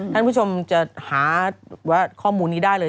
ท่านผู้ชมจะหาข้อมูลนี้ได้เลย